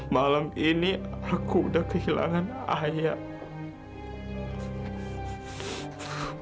malam ini aku udah kehilangan ayah